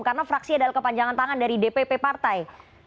karena fraksi adalah kepanjangan tangan dari dpp partai